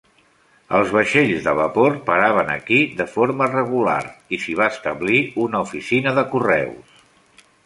Els vaixells de vapor paraven aquí de forma regular i s'hi va establir una oficina de correus.